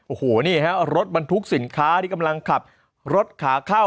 โอ้โหนี่ฮะรถบรรทุกสินค้าที่กำลังขับรถขาเข้า